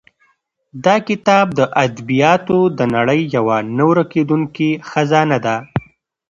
دا کتاب د ادبیاتو د نړۍ یوه نه ورکېدونکې خزانه ده.